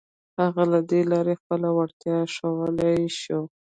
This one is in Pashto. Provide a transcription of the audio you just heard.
هغه له دې لارې خپله وړتيا ښوولای شوه.